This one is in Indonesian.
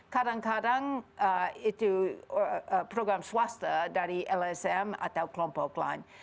kadang kadang itu program swasta dari lsm atau kelompok lain